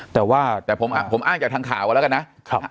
แต่ผมอ้างจากทางข่าวแล้วกันนะ